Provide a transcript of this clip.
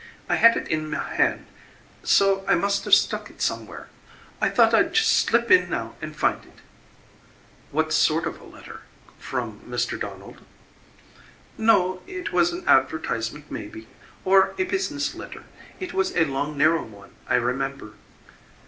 I had it in my hand, so I must have stuck it somewhere. I thought I'd just slip in now and find it." "What sort of a letter? From Mr. Donald?" "No, it was an advertisement, maybe, or a business letter. It was a long narrow one, I remember."